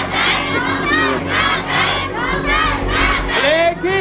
เครื่องที่๙